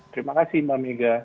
terima kasih mbak mega